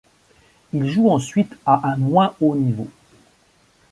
Il joue ensuite à un moins haut niveau.